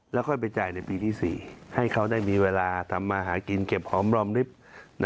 แล้วค่อยไปจ่ายในปีที่๔ให้เขาได้มีเวลาทำมาหากินเก็บหอมรอมริบ